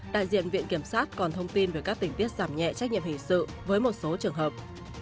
đại diện viện kiểm sát còn thông tin về các tình tiết giảm nhẹ trách nhiệm hình sự với một số trường hợp